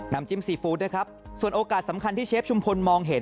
จิ้มซีฟู้ดนะครับส่วนโอกาสสำคัญที่เชฟชุมพลมองเห็น